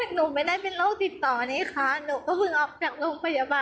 หนูไม่ได้เป็นโรคติดต่อนี่ค่ะหนูก็เพิ่งออกจากโรงพยาบาล